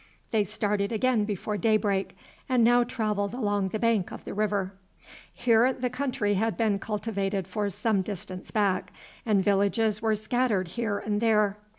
They started again before daybreak, and now travelled along the bank of the river. Here the country had been cultivated for some distance back, and villages were scattered here and there.